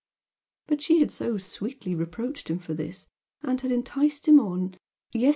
But she had so sweetly reproached him for this, and had enticed him on yes!